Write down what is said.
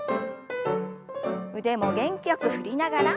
腕も元気よく振りながら。